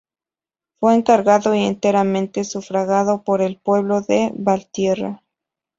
Fue encargado y enteramente sufragado por el pueblo de Valtierra.